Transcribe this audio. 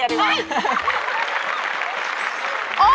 ตายอีกไหม